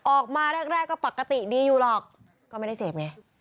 ออกมาแรกก็ปกติดีอยู่หรอกก็ไม่ได้เสพไง